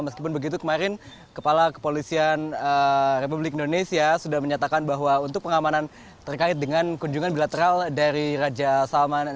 meskipun begitu kemarin kepala kepolisian republik indonesia sudah menyatakan bahwa untuk pengamanan terkait dengan kunjungan bilateral dari raja salman